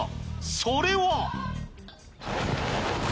それは。